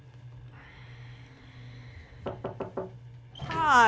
・はい。